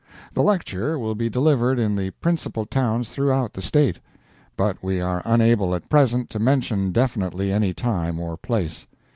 The lecture will be delivered in the principal towns throughout the state, but we are unable at present to mention definitely any time or place.